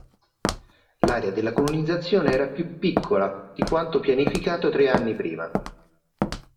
L'area della colonizzazione era più piccola di quanto pianificato tre anni prima.